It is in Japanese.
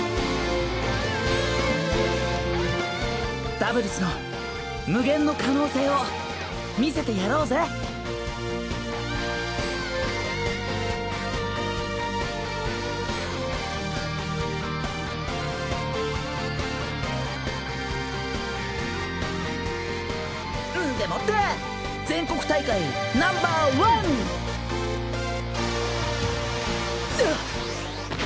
ダブルスの無限の可能性を見せてやろう菊丸：んでもって全国大会ナンバーワあぁっ！